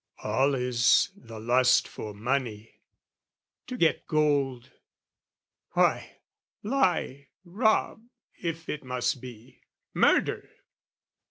All is the lust for money: to get gold, Why, lie, rob, if it must be, murder!